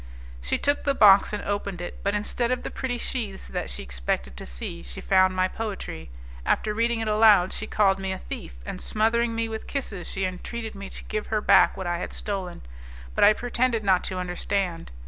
She took the box and opened it, but instead of the pretty sheaths that she expected to see, she found my poetry. After reading it aloud, she called me a thief, and smothering me with kisses she entreated me to give her back what I had stolen, but I pretended not to understand.